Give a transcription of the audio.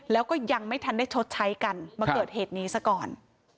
แล้วก็ยังไม่ทันได้ชดใช้กันมาเกิดเหตุนี้ซะก่อน